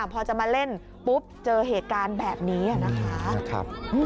พอจะมาเล่นปุ๊บเจอเหตุการณ์แบบนี้นะคะ